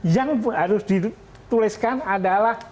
yang harus dituliskan adalah